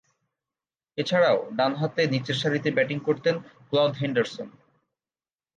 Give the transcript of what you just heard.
এছাড়াও, ডানহাতে নিচেরসারিতে ব্যাটিং করতেন ক্লদ হেন্ডারসন।